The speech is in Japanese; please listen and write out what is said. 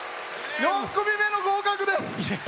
４組目の合格です！